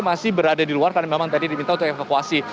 masih berada di luar karena memang tadi diminta untuk evakuasi